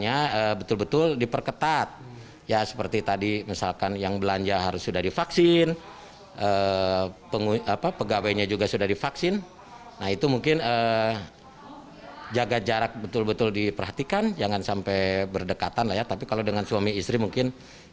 makan dalam mobil atau drive in di restoran